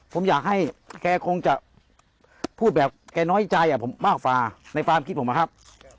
ผมอยากให้แกคงจะพูดแบบแกน้อยใจผมมากกว่าในความคิดผมอะครับ